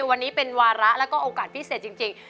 วันนี้เป็นวาระแล้วก็โอกาสพิเศษจริง